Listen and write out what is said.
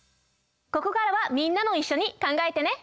ここからはみんなもいっしょにかんがえてね！